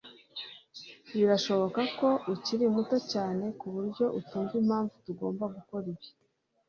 Birashoboka ko ukiri muto cyane kuburyo utumva impamvu tugomba gukora ibi.